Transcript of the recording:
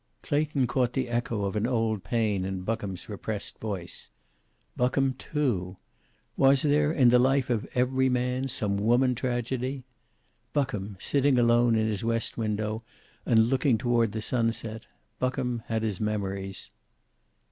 Clayton caught the echo of an old pain in Buckham's repressed voice. Buckham, too! Was there in the life of every man some woman tragedy? Buckham, sitting alone in his west window and looking toward the sunset, Buckham had his memories.